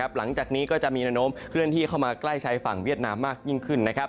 หลังจากนี้ก็จะมีแนวโน้มเคลื่อนที่เข้ามาใกล้ชายฝั่งเวียดนามมากยิ่งขึ้น